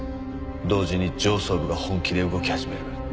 同時に上層部が本気で動き始める。